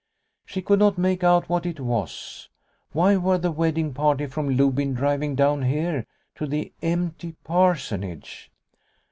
She could not make out what it was. Why were the wedding party from Lobyn driving down here to the empty Parsonage